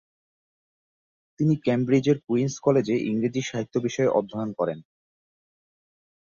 তিনি ক্যামব্রিজের কুইন্স কলেজে ইংরেজি সাহিত্য বিষয়ে অধ্যয়ন করেন।